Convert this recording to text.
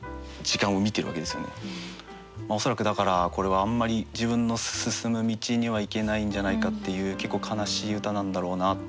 恐らくだからこれはあんまり自分の進む道には行けないんじゃないかっていう結構悲しい歌なんだろうなって思います。